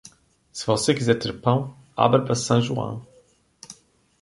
Se você quiser ter pão, abra para San Juan.